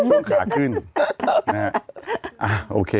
ตรงขาขึ้นโอเค